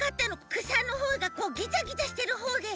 くさのほうがギザギザしてるほうで。